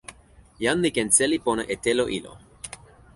jan li ken seli pona e telo ilo.